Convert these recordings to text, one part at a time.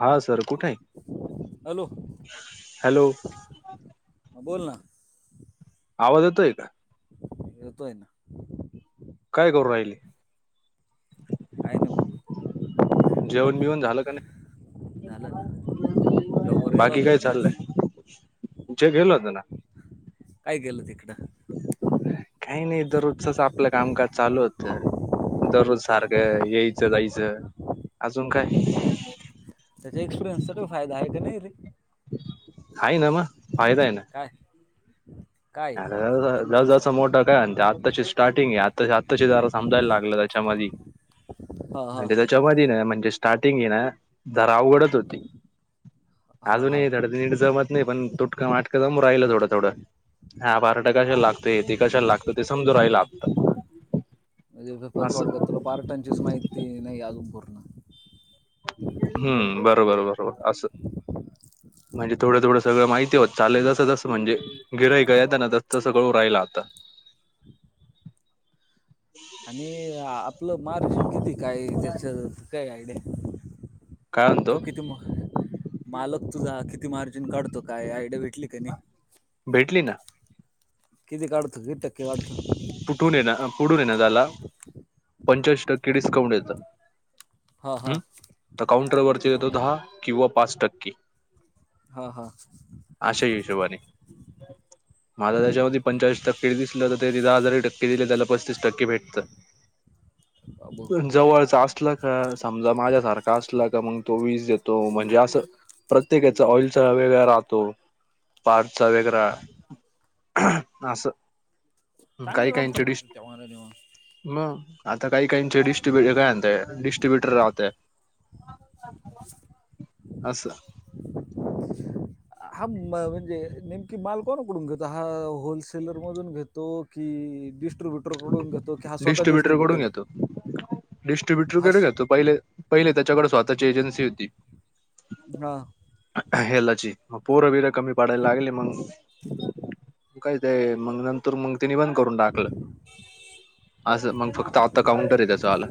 हा सर कुठय, hello hello. म बोल ना आवाज येतोय का येतोय ना काय करू राहिले आहे नऊ जेवण बिवण झालं का नाही झालं ना जर गेला बाकी होता काय का नाही आज चाललंय जे घेल होत ना काय गेलं तिकडं काही नाही दररोज तसं आपलं कामकाज चालू होत दररोज सारखं यायचं जायचं अजून काय त्याच्या एक्सपिरियन्सचा फायदा आहे का नाही रे आहे ना मग काय जात जास्त मोठं काय आत्ताची स्टार्टिंग आहे आत्ता आत्ताची जराा समजायला लागलं त्याच्यामध्ये [inaudible] हा हा जमधनं म्हणजे स्टार्टिंग ये नां धर उघडत होती हा हा अजूनही थडंीड जमत नाही पण तुटकं वाटकं जमून राहिलं थोडं थोडं हा बारा टाकाशला लागतं एकाशाला लागतं ते समजू रायला लागत म्हणजे थोडं तुला पार्टांचीच माहिती नाही अजमपूर्ण हम्म बरोबर बरोबर असं म्हणजे थोडं थोंगळ माहिती होत चालसं तस म्हणजे गिरय गत ना त्यास्तं सगळं उ राहिला आता ह आणि आपलं मार्ष्ट किती काय मला काययड काय तो म्हणतो किती मालक तुझा किती मार्जिन काढतो काय आयडिया भेटली का नाही भेटली ना किती काढतं किती टक्के काढतं ये पुढून ये ना त्याला पंचवीस टक्के डिस्काउंट येतं हा हा हम्म तर काउंटर वरती येतो दहा किंवा पाच टक्के ह हा अशा हिशोबाने मला त्याच्यामध्ये पंचेचाळीस टक्के दिसलं तर ते हजार टक्के दिले त्याला पस्तीस टक्के भेटत बाबू जवळच असल का समजा माझ्या सारखं असल का मग तो वीस देतो तो म्हणजे असं प्रत्येकाचा ऑइलचा वेगळा राहतो पारचा वेगळा असं चांगले काही रोड काहींचे डिश मग आता काही काहीचे डिस्ट्रीब्युट काय आणत डिस्ट्रीब्युटर राहतय अस हा म्हणजे नेमकी माल कोणकडून घेतो हा होलसेलर मधून घेतो की ड िटब्यटरडूनेतो कीा स्वत डिट्रीब्यटर डिस्ट्र्रीब्युटर केल घेतो पहिले पहिले त्याच्याकडे स्वतःची एजन्सी होती हा हेलाची मग पोर बीर कमी पाडायला लागली मग म काहीच आहे मग नंतर मग तिने बंद करून टाकलं असं मग फक्त आत्ता काउंटर आहे त्याचा आला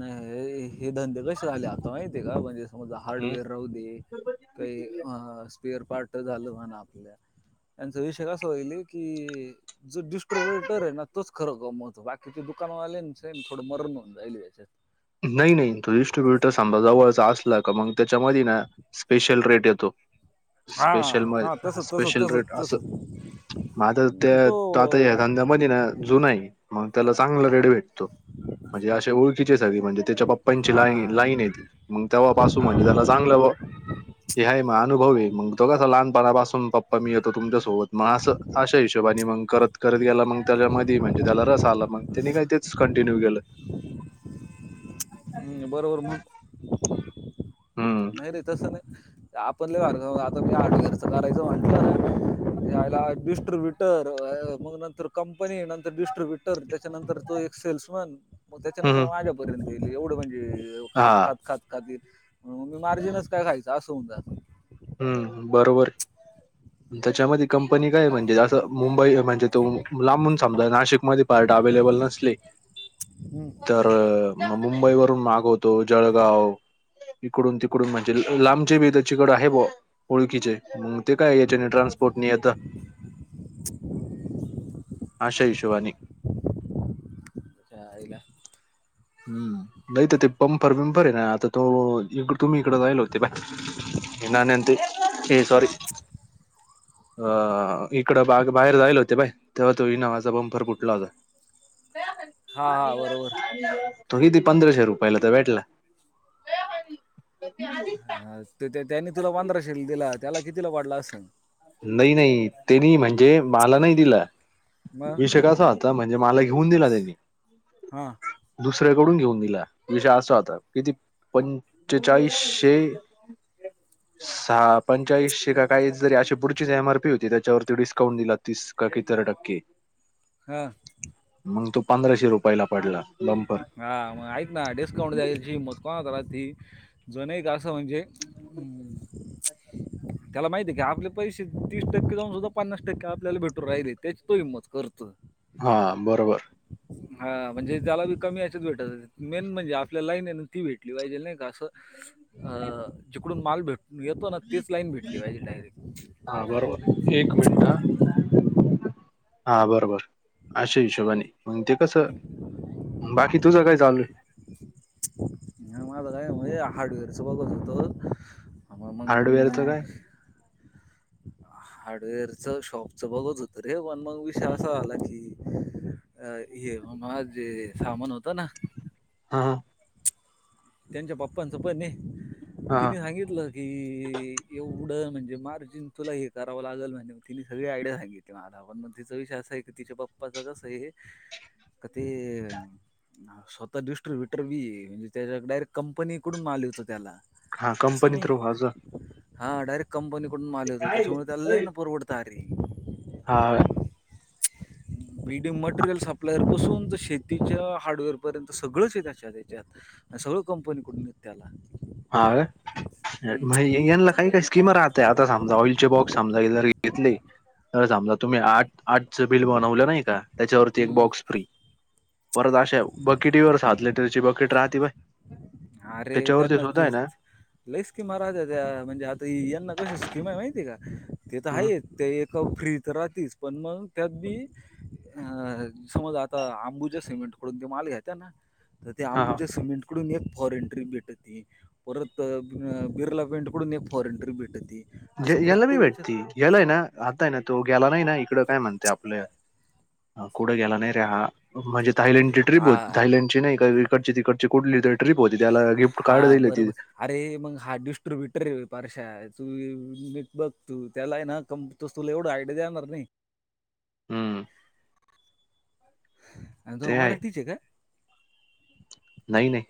नाही हे धंदे कसे झाले आता माहिती आहे का म्हणजे समजा हार्डवेअर राहू दे काही अ स्पिअर पार्ट झालं म्हणा आपल्या त्यांचा विषय कसा होईल की जो डिस्ट्रोबेटर आहे ना तच खरं कमावतो बाकीचे दुकानवाले आहे ना थोडं मरण याच्या नाही नाही तो डिस्ट्र्रीब्युटर समजा जवळचा असला का मग त्याच्यामध्ये ना स्पेशल रेट येतो हा स्पेशल म हा तसंच तसंच स्पेशल रेट तसंच असं तसंच माझ त्या तो आता या धंद्यामध्ये ना जुना आहे मग त्याला चांगला रेड भेटतो म्हणजे असे ओळखीचे म्हणजे त्याच्या पप्पांची ला हा लाईन आहे ती मग तेव्हापासून हा म्हणजे त्याला चांगलं हे ह मग अनुभवी मग तो कासा लहानपणापासून पप्पा मी येतो तुमच्यासोबत मग असं अशा हिशोबाने मग करत करत गेला मग त्याच्या मध्ये म्हणजे त्याला रस आला मग त्यांनी काय तेच कंटिन्यू केलं हम् बरोबर मग हम्म नाही रे तस नाही आपण ल आता मी आठ घरचं करायचं म्हटलंला मग नंतर कंपनी नंतर ट्रविटर त्याच्यानंतर तो एक सेल्समॅन मग हम्म त्याच्यानंतर माझ्यापर्यंत येईल एवढं म्हणजे हा खात खात खात खाती मी मार्जिनच काय खायचं असं हो जाात हम्म बरोबर त्याच्यामध्ये कंपनी काय म्हणजे जं मुंबई म्हणजे तो लांबून समजा नाशिकमध्ये पार्ट अवेलेबल नसले हम्म. तर म मुंबई वरून मागवत तो जळगाव इकडून तिकडून म्हणजे लांबचे बी त्याच्याकडे आहे ओळखीचे आहे मग ते काय याच्याने ट्रान्सपोर्टनि येतात आशा हिशोबानी [unintelligible] हम्म नाही तर ते पंपर विंफर आहे ना आता तो इक तुम्ही इकडं जायला होते बाय. हे ना नांती हे सॉारी [inaudible] अ इकडं बाग बाहेर जायला होते बाई तेव्हा तो इनामाचा बंफर फुटला होता. हा हा बरोबर तो किती पंधराशे रुपयाला तर भेटला. ते आधी हां त्या त्यानी तुला पांधराशे दिला, त्याला कितीला वाडला असंल? नाही नाही त्यांनी म्हणजे मला नाही दिलं. मग विषय कसा होता म्हणजे मला घेऊन दिला त्यांनी. हा दुसऱ्याकडून घेऊन दिला विषय असा होता की ती पंचेचाळीसशे सहा पंचाळीसशे का काही जरी अशे पुढचीच एमआरपी होती त्याच्यावरती डिस्काउंट दिला तीस का कितीतरी टक्के. हां. मग तो पंधराशे रुपयाला पडला बंपर हा मग आहेत ना डिस्काउंट द्यायची मग कोणा कला ती जण एक ग असं म्हणजे अम् त्याला माहिती आहे की आपले पैसे तीस टक्के जाऊन सुद्धा पन्नास टक्के आपल्याला भेटून राहिले त्याची तो हिंमत करत हां बरोबर. हां म्हणजे. त्याला बी कमी याच्यात भेटत मेन म्हणजे आपल्या लाईन आहे ना ती भेटली पाहिजे नाही का असं अ जिकडून माल भेट येतो ना तेच लाईन भेटली पाहिजे डायरेक्ट. हा बरोबर एक मिनिट हां, हां बरोबर अशे हिशोबाने. मंग ते कसं बाकी तुझं काय चालूये? माझ काय हे हार्डवेअर च बघत होतो. मंग हार्डवेअरचं काय नग [inaudible] हार्डवेअर च शॉपचं बघत होतं रे पण मग विषय असा झाला की अ हे जे सामान होतं ना हां हां. त्यांच्या पप्पांचं पण आहे हा हा तिने सांगितलं. कि एवढं म्हणजे मार्जिन तुला हे करावं लागल म्हणजे तिने सगळी आयडिया सांगितली. किंवा आता आपण म तिचा विषय असा आहे की तिच्या पप्पाच कसं आहे. क ते स्वतः दष्टर भीटर बी हे म्हणजे त्याच्याकड डायरेक्ट कंपनीकडून माल येतो त्याला हा असं कंपनी नाही थ्रू हा जा. हां डायरेक्ट कंपनीकडून माल येतो त्याच्यामुळे त्याला लई ना परवडत अरे हां. [inaudible] बीडी मटेरियल सप्लायर पासून तर शेतीच्या हार्डवेअर पर्यंत सगळंच है त्याच्यात याच्यात सगळं कंपनीकडून येतं त्याला. हां हम्म. येनला काही काही स्कीमा राहतात. ते आता समजा ऑइलचे बॉक्स समजा जर घेतले तर समजा तुम्ही आठ आठच बिल बनवलं नाही का त्याच्यावरती एक बॉक्स फ्री परत अशा बकेटीवर सात लिटरची बकेट राहते बघ त्याच्यावरती सुद्धा आहे ना लई स्कीमा राहतीत्या म्हणजे आता यांना कशी स्कीम आहे माहितीय का ते तर हम्म आहे ते क फ्री त राहतीच पण मग त्यात बी अ समज आता अंबुजा सिमेंट कडून ते माल घ्यायचा ना तर ते हा हा अंबुजा सिमेंट कडून एक फॉरेन ट्रीप भेटती परत बिर्ला पेंटकडून एक फॉरेन ट्रीप भेटती असं याला बी प्रत्येक याच्या भेटती यालाय ना आता हाय ना तो गेला नाही ना इकडं काय म्हणतोय आपलं कुठे गेला नाही रे हा म्हणजे थायलंडची ट्रीप हो हां. थयलंडची नाही का इकडची तिकडची कुठली तर ट्रिप होती त्याला गिफ्ट कार्ड हां, दिलीती बरोबर. अरे मग हा डिस्ट्र्रीब्युटर आहे पारशा तूी बघ तू त्याला ना कं तस तुला एवढ आयडिया देणार नाही. हम्म, मराठीच आहे काय? नाही, नाही.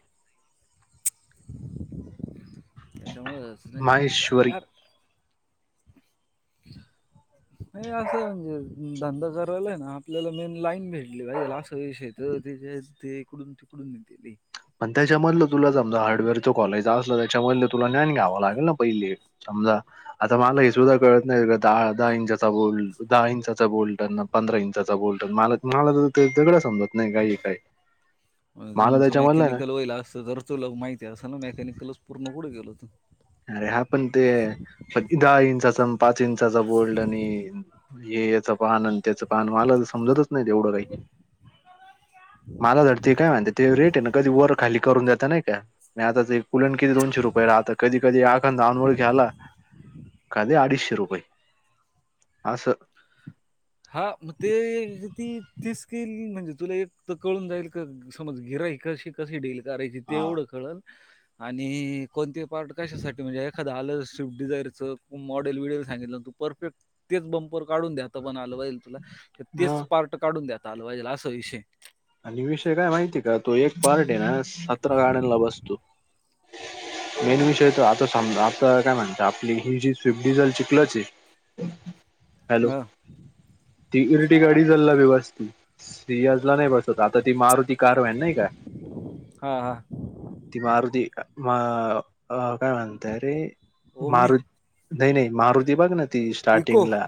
त्याच्यामुळे नाही. हम्. [unintelligible] नाही असं म्हणजे धंदा करायला आहे ना आपल्याला मेन लाईन भेटली पाहिजे असं विषय तर ते इकडून तिकडून दिली. पण त्याच्यामधलं तुला समजा हार्डवेअरच कॉलेज असलं त्याच्यामधलं तुला ज्ञान घ्यावं लागेल ना पहिले समजा आता मला हे सुद्धा कळत नाही. दहा, दहा इंचा बोलट दहा इंचा बोलट ना पंधरा इंचा बोलट मला मला तर दगळं समजात नाही काई काही मला. झूमचं त्याच्यामधलं आहे मेकॅनिकल ना वईल असं तुला माहिती असेल ना मेकॅनिकलच पूर्ण कठे गेलो तू अरे हा पण ते दहा इंचाचा पाच इंचाचा बोल्ड आणि हे याच पाहन त्याचं पाहन मला तर समजतच नाही तेवढं काही. मला तर ते काय म्हणते ते रेट आहे ना कधी वर खाली करून देतता नाही का? मी आता ते पुलण किती दोनशे रुपये राहता कधी कधी एखांदा अनोळखी आला. काधी अडीचशे रुपये असं हा मग ते ती तेच केल म्हणजे तुला एक तर कळून जाईल का समज गिऱ्हाईकाशी कशी डील करायची ते हा एवढं कळल. आणि कोणते पार्ट कशासाठी म्हणजे एखादं आलं स्विफ्ट डिझायरचं मॉडेल विडेल सांगितलं तु. परफेक्ट तेच बंपर काढून द्या. पण आलवाईल तुला तर तेच मग पार्ट काढून द्या आलवाईल असा विषय. आणि विषय काय माहिती का तो एक पार्ट आहे ना सतरा गाड्यांला बसतो. मेन विषय तर आता आता काय म्हणत आपली ही जी स्विफ्ट डिझेलची ची. हम्. हॅलो हां, तीरटी गाडी चालला बवस्ती सियाला. आता ती मारुती कार आहे नाही का. हां, हां. ती मारुती काय म्हणते रे ओमनी, मारुती. नाही नाही मारुती बघ ना ती इको स्टार्टिंगला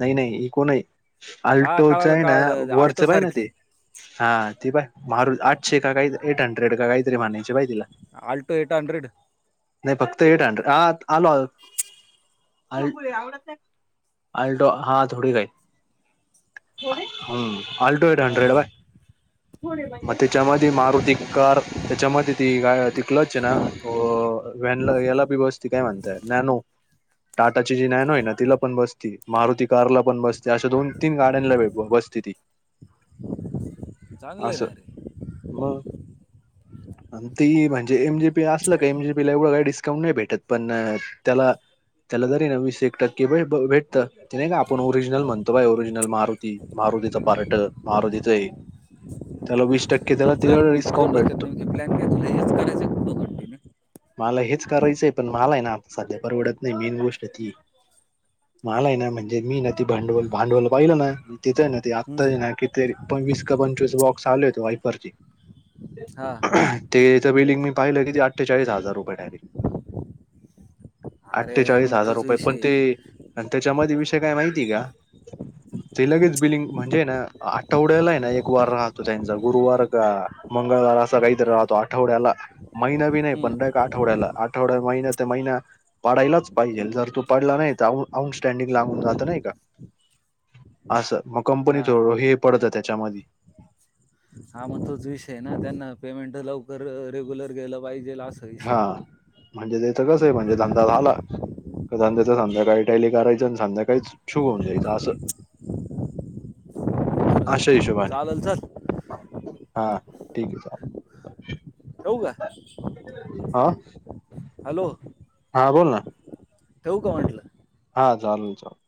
नाही नाही इकूय. हां, अल्टोचं कळालं, आहे ना कळालं वरचं आहे ना ते. अल्टोसारखी. हा ते बा मारू आठशे काही एट हंड्रेड काहीतरी म्हणायचे बाय ते. Alto eight hundred. नाही फक्त एट हंड्रेड आ आलो. आल्टो हा थोडी काही. हमम आल्टो एट हां, हंड्रेड हां. बाय. मग त्याच्यामध्ये मारुती कार. त्याच्यामध्ये ती गा तिकलच आहे ना व्हॅनला याला पी बस ती काय म्हणताय नॅनो. टाटाची जी नॅनो आहे ना तिला पण बसती. मारुती कारला पण बसते अशा दोन तीन गाड्यांना बसते ती. चांगलं आहे असं ना रे. मग आणि ती म्हणजे एम जी. असलं का म्हजेला एवढ का. नाही भेटत पण त्याला त्याला जरी एकशे एक टक्केे भेटत. ते नाही का आपण ओरिजनल म्हणतो ओरिजिनल मारुती मारतीच पार्ट मारुती. त्याला वीस टक्के. त्याला ते जर जर डिस्काउंट भेटतो बकत प्लॅन हेच करायचं खूप बघ. मला हेच करायचंय पण मला आहे ना आता सध्या परवडत नाही मेन गोष्ट ती. मला आहे ना म्हणजे मी ना ते भांडवल भांडवल पाहिलं ना. तिथं ना हं, आत्ता नाही कि ते पं ववीस का पंचवीस बॉक्स आले होते वायफरची हा तेचं बिडिंग मी पाहिलं की अठ्ठेचाळीस हजार रुपये ठाली अरे अठ्ठेचाळीस मग हजार तोच रुपये विषय पण ते आहे. आणि त्याच्यामध्ये विषय काय माहिती का ते लगेच बिलिंग म्हणजे ना आठवड्याला आहे ना एक वार राहतो त्यांचा गुरुवार का मंगळवार असं काहीतरी राहतो आठवड्याला महिना बी नाही हं. पंधराय का आठवड्याला आठवड्या महिना ते महिना पडायलाच पाहिजे जर तू पडला नाही तर आउन स्टँडिंग लागून जात नाही का आस मग कंपनीत हां. हे पडत त्याच्यामध्ये हा मग तोच विषय ना त्यांना पेमेंट लवकर रेग्युलर गेलं पाहिजे अस हा म्हणजे त्याच कस आहे म्हणजे धंदा झाला त्याधंद्याचं संध्याकाळी त्याली टॅली करायचं आणि संध्याकाळीच छू होऊन जायचं असं बरोबर अशा आहे. हिशोबानी चालेल चल हा ठीक आहे. होऊ का हॅलो. हां बोल ना चऊ कावटला हा चाल चाल